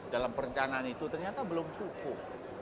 dalam perencanaan itu ternyata belum cukup